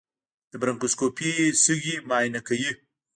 د برونکوسکوپي سږي معاینه کوي.